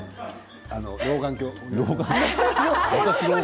老眼鏡を。